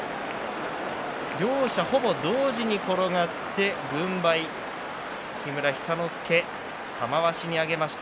両者ほぼ同時に転がって軍配、木村寿之介玉鷲に上げました。